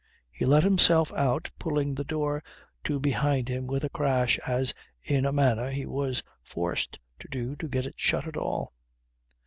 He let himself out pulling the door to behind him with a crash as, in a manner, he was forced to do to get it shut at all.